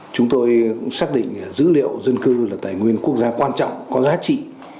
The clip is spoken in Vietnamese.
chúng tôi cũng xác định dữ liệu dân cư là tài nguyên quốc gia quan trọng có giá trị